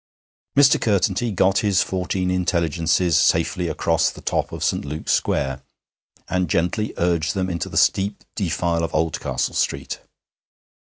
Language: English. Mr. Curtenty got his fourteen intelligences safely across the top of St. Luke's Square, and gently urged them into the steep defile of Oldcastle Street.